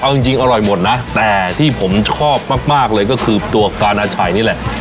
เอาจริงอร่อยหมดนะแต่ที่ผมชอบมากเลยก็คือตัวการอาชัยนี่แหละ